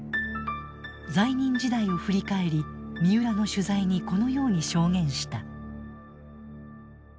在任時代を振り返り三浦の取材にこのように証言した。